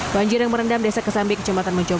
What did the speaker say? banjir yang merendam desa kesambi kecamatan mojokerto